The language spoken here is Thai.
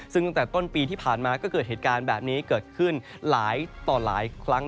ซึ่งตั้งแต่ต้นปีที่ผ่านมาก็เกิดเหตุการณ์แบบนี้เกิดขึ้นหลายต่อหลายครั้ง